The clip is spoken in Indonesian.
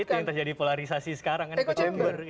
itu yang terjadi polarisasi sekarang kan co chamber